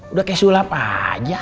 udah kaya sulap aja